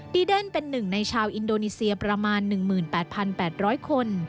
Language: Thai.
เดนเป็นหนึ่งในชาวอินโดนีเซียประมาณ๑๘๘๐๐คน